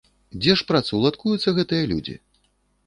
Дзе ж працаўладкуюцца гэтыя людзі?